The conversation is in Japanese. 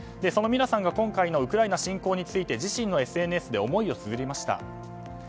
そのミラさんが今回のウクライナ侵攻について自身のＳＮＳで思いをつづりました。